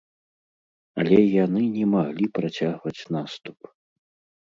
Але яны не маглі працягваць наступ.